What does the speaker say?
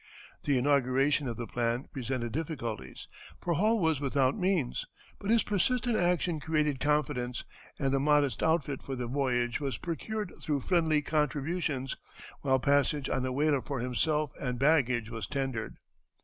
] The inauguration of the plan presented difficulties, for Hall was without means; but his persistent action created confidence, and the modest outfit for the voyage was procured through friendly contributions, while passage on a whaler for himself and baggage was tendered.